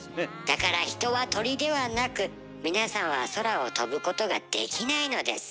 だから人は鳥ではなく皆さんは空を飛ぶことができないのです。